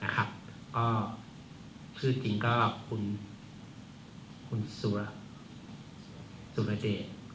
คือจริงก็คุณสุระเจก